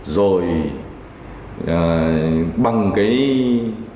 rồi bằng cái